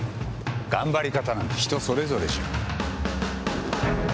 頑張り方なんて人それぞれじゃん。